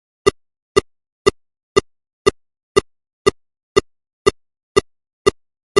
A Horta, quatre pessetes fan un duro.